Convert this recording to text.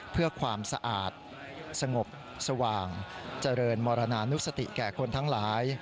เพื่อความสะอาดสงบสว่างเจริญมรณานุสติแก่คนทั้งหลาย